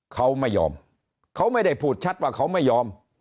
เขาไม่ยอมเขาไม่ได้พูดชัดว่าเขาไม่ยอม